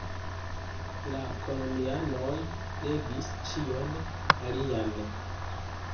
La kolonianoj regis ĉion alian.